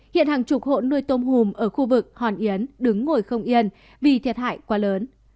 hiện hàng chục hộ nuôi tôm hùm ở khu vực hòn yến đứng ngồi không yên vì thiệt hại quá lớn